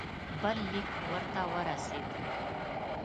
بل لیک ورته ورسېد.